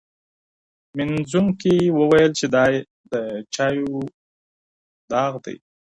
مینځونکي وویل چي دا د چایو داغ دی.